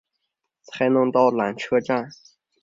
才能到缆车站